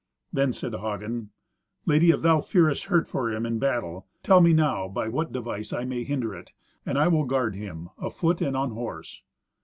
Then said Hagen, "Lady, if thou fearest hurt for him in battle, tell me now by what device I may hinder it, and I will guard him afoot and on horse."